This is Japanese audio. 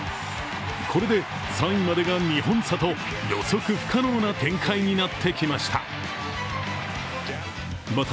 これで３位までが２本差と、予測不可能な展開になってきました。